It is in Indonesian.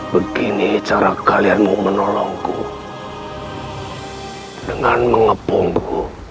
bagaimana cara kalian menolongku dengan mengepungku